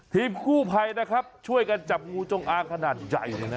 ทีมกู้ภัยนะครับช่วยกันจับงูจงอางขนาดใหญ่เลยนะ